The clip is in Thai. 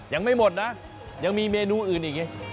ยังไม่หมดนะยังมีเมนูอื่นอีกไง